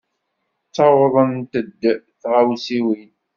Ttawḍent-d tɣawsiwin.